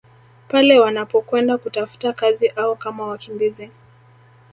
Pale wanapokwenda kutafuta kazi au kama wakimbizi